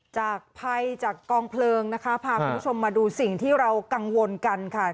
จากภัยจากกองเพลิงนะคะพาคุณผู้ชมมาดูสิ่งที่เรากังวลกันค่ะ